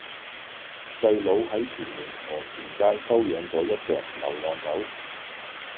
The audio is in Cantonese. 細佬喺屯門河田街收養左一隻流浪狗